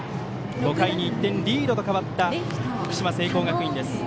５回に１点リードと変わった福島・聖光学院です。